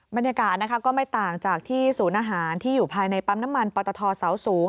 บรรยากาศก็ไม่ต่างจากที่ศูนย์อาหารที่อยู่ภายในปั๊มน้ำมันปตทเสาสูง